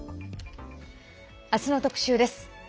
あすの特集です。